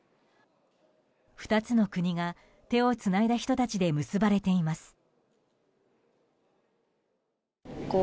２つの国が手をつないだ人たちで結ばれています。